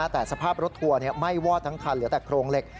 แต่สภาพรถทัวร์ไหม้วอดทั้งคันเหลือแต่โครงเหล็ก